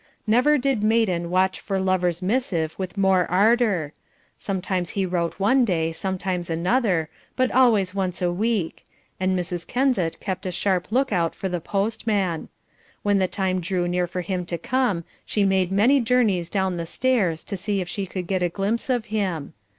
Never did maiden watch for lover's missive with more ardour; sometimes he wrote one day, sometimes another, but always once a week, and Mrs. Kensett kept a sharp look out for the postman; when the time drew near for him to come she made many journeys down the stairs to see if she could get a glimpse of him.